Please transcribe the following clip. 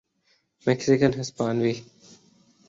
Mexican ہسپانوی